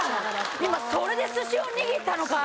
今それで寿司を握ったのかい？